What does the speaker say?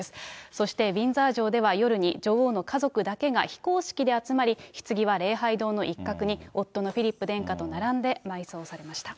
そして、ウィンザー城では、夜に女王の家族だけが非公式で集まり、ひつぎは礼拝堂の一角に、夫のフィリップ殿下と並んで埋葬されました。